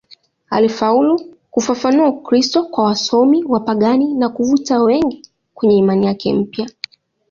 Alifaulu kufafanua Ukristo kwa wasomi wapagani na kuvuta wengi kwenye imani yake mpya.